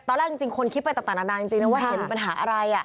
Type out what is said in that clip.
ตอนแรกจริงคนคิดไปต่างนานาจริงนะว่าเห็นปัญหาอะไร